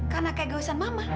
karena keegoisan mama